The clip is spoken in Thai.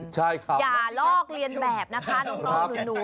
ใช่ค่ะอย่าลอกเรียนแบบนะคะน้องหนู